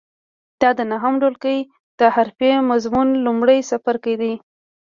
دا د نهم ټولګي د حرفې مضمون لومړی څپرکی دی.